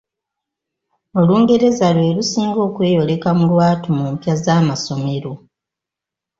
Olungereza lwe lusinga okweyoleka mu lwattu mu mpya z'amasomero.